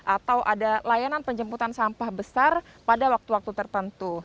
atau ada layanan penjemputan sampah besar pada waktu waktu tertentu